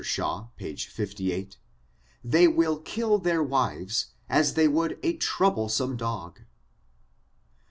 Shaw, page 58, they will kill their wives as they Would a trouble^ some dog.